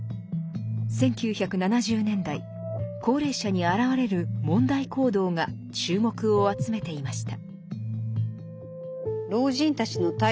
１９７０年代高齢者に現れる問題行動が注目を集めていました。